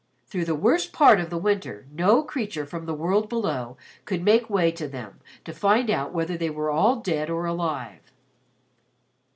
Through the worst part of the winter no creature from the world below could make way to them to find out whether they were all dead or alive.